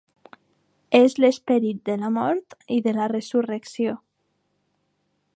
És l'esperit de la mort i de la resurrecció.